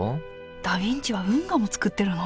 ダ・ヴィンチは運河も造ってるの？